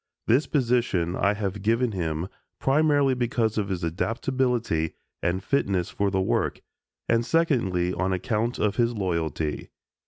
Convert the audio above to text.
This position I have given him primarily because of his adaptability and fitness for the work and secondly on account of his loyalty.